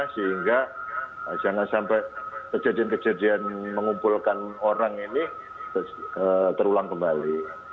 sehingga jangan sampai kejadian kejadian mengumpulkan orang ini terulang kembali